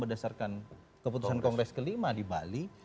berdasarkan keputusan kongres kelima di bali